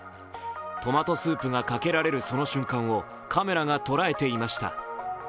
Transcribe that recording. トマトスープがかけられるその瞬間をカメラが捉えていました。